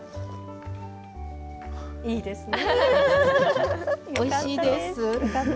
いいですね。